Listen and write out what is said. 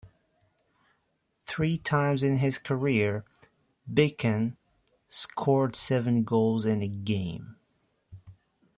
Three times in his career, Bican scored seven goals in a game.